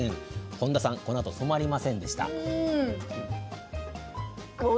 本田さん、止まりませんでした。